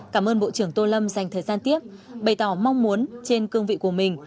cảm ơn bộ trưởng tô lâm dành thời gian tiếp bày tỏ mong muốn trên cương vị của mình